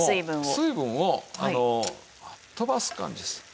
水分を飛ばす感じです。